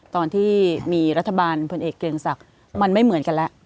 ตอนที่มีรัฐบาลพลเอกเกรียงศักดิ์มันไม่เหมือนกันแล้ว